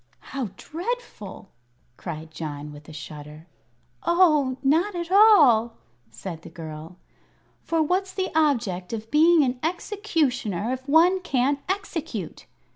"How dreadful!" cried John, with a shudder. "Oh, not at all!" said the girl. "For what's the object of being an Executioner if one can't execute?"